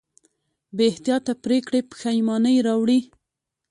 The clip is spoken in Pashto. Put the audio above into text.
بېاحتیاطه پرېکړې پښېمانۍ راوړي.